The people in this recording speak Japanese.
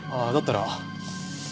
ああだったら。